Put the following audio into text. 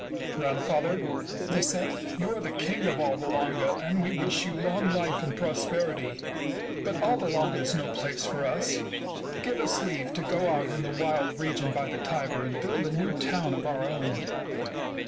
" Grandfather," they said, " you are the king of Alba Longa and we wish you long life and pros perity. But Alba Longa is no place for us. Give us leave to go out in the wild region by the Tiber and build a new town of our own."